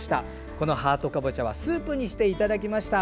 このハートかぼちゃはスープにしていただきました。